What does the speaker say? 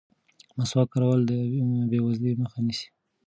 مسواک کارول د بې وزلۍ مخه نیسي.